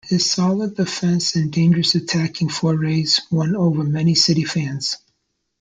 His solid defence and dangerous attacking forays won over many City fans.